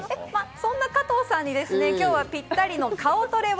そんな加藤さんに今日はぴったりの顔トレを。